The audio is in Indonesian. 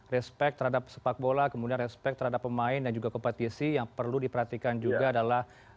respect terhadap sepak bola kemudian respect terhadap pemain dan juga kompetisi yang perlu diperhatikan juga adalah